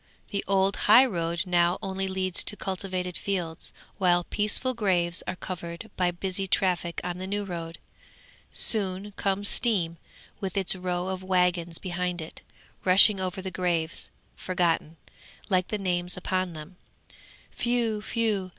The old high road now only leads to cultivated fields, while peaceful graves are covered by busy traffic on the new road. Soon comes Steam with its row of waggons behind it, rushing over the graves, forgotten, like the names upon them. Whew! whew!